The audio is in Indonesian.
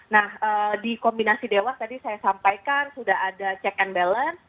nah di kombinasi dewas tadi saya sampaikan sudah ada check and balance